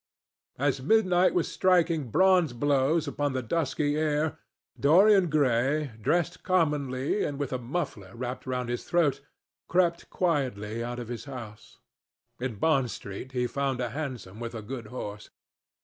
As midnight was striking bronze blows upon the dusky air, Dorian Gray, dressed commonly, and with a muffler wrapped round his throat, crept quietly out of his house. In Bond Street he found a hansom with a good horse.